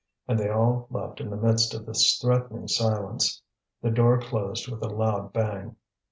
And they all left in the midst of this threatening silence. The door closed with a loud bang.